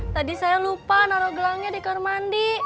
tadi saya lupa taruh gelangnya di kamar mandi